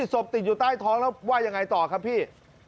ศพติดอยู่ใต้ท้องแล้วว่ายังไงต่อครับพี่